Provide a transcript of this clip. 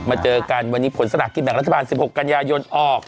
มาเจอกันวันนี้ผลสนัดกินแบบรัฐบาลสิบหกกันยายนออก